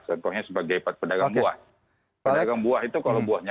sebanyak sebagai pendagang buah pendagang buah itu kalau buahnya